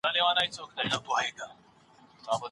املا د فکر او عمل ترمنځ توازن ساتي.